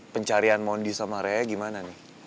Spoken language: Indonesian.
pencarian mondi sama rea gimana nih